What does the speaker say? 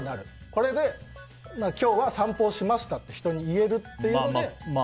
これで今日は散歩をしましたと人に言えるというので。